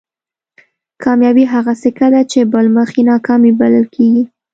کامیابي هغه سکه ده چې بل مخ یې ناکامي بلل کېږي.